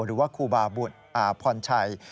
หรือว่าครูบาบุตรพรชัย